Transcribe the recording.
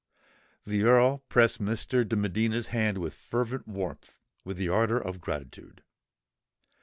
The Earl pressed Mr. de Medina's hand with fervent warmth—with the ardour of gratitude.